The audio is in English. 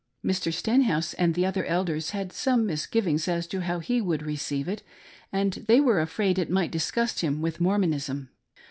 Mr. Stenhouse and the other Elders had some misgivings as to how he would receive it, and they were afraid it might disgust him with Mormonism.